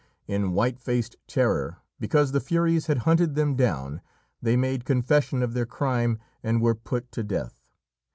In white faced terror, because the Furies had hunted them down, they made confession of their crime and were put to death.